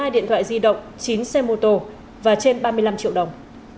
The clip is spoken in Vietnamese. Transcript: một mươi điện thoại di động chín xe mô tô và trên ba mươi năm triệu đồng